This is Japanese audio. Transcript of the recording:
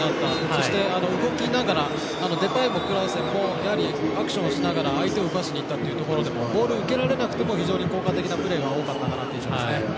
そして、動きながらデパイもクラーセンもアクションをしながら相手を動かしにいったというところでもボールを受けられなくても非常に効果的なプレーが多かったかなっていう印象ですね。